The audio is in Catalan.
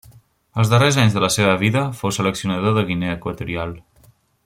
Els darrers anys de la seva vida fou seleccionador de Guinea Equatorial.